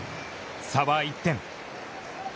差は１点。